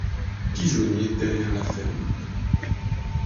Pigeonnier derrière la ferme.